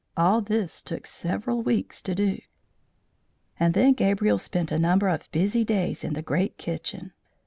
All this took several weeks to do. And then Gabriel spent a number of busy days in the great kitchen.